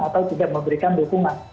atau tidak memberikan dukungan